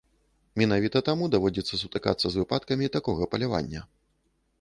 Менавіта таму даводзіцца сутыкацца з выпадкамі такога палявання.